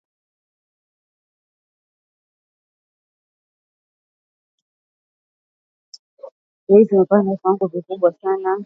bei zimepanda kwa viwango vikubwa sana